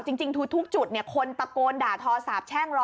จริงทุกจุดคนตะโกนด่าทอสาบแช่งรอ